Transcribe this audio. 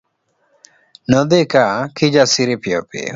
Nodhi ka Kijasiri piyopiyo.